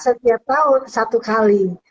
setiap tahun satu kali